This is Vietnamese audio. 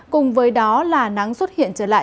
cùng với đó là nắng xuất hiện trở lại